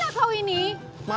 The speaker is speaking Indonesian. udah tanya nantikan